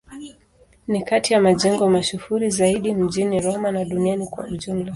Ni kati ya majengo mashuhuri zaidi mjini Roma na duniani kwa ujumla.